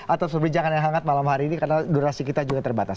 atau perbincangan yang hangat malam hari ini karena durasi kita juga terbatas